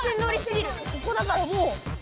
ここだからもう。